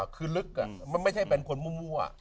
คือลึกมันไม่ใช่เป็นคนมั่ว